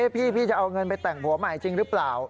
พี่จะเอาเงินไปแต่งผัวใหม่จริงหรือเปล่า